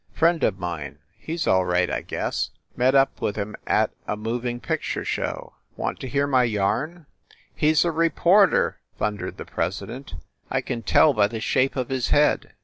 "Friend of mine. He s all right, I guess. Met up with him at a mov ing picture show. Want to hear my yarn?" "He s a reporter!" thundered the president. "I can tell by the shape of his head.